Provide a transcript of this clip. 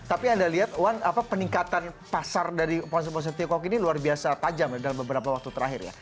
tapi anda lihat wan peningkatan pasar dari ponsel ponsel tiongkok ini luar biasa tajam dalam beberapa waktu terakhir ya